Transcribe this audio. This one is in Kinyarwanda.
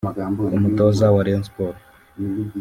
Ku mutoza wa Rayon Sports